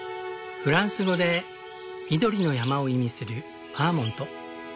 フランス語で「緑の山」を意味するバーモント。